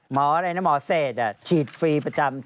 อะไรนะหมอเศษฉีดฟรีประจำ